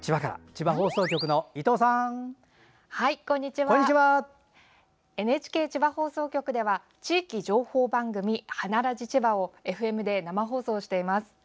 ＮＨＫ千葉放送局では地域情報番組「花ラジちば」をＦＭで生放送しています。